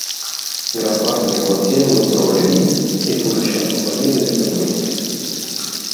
Gran parte del quartiere non progredì e fu lasciato in balia del decadimento.